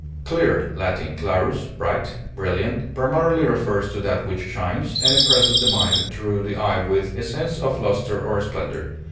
Clear (L. clarus, bright, brilliant) primarily refers to that which shines, and impresses the mind through the eye with a sense of luster or splendor.